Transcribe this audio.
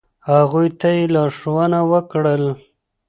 ، هغوی ته یی لارښونه وکړه ل